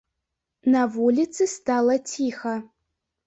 На вуліцы стала ціха.